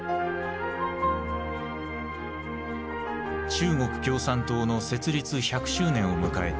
中国共産党の設立１００周年を迎えた